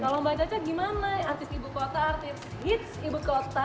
kalau mbak caca gimana artis ibu kota artis hits ibu kota